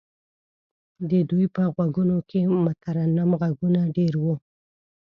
د دوی په غوږونو کې مترنم غږونه دېره وو.